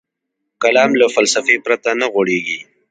کلام له فلسفې پرته نه غوړېږي.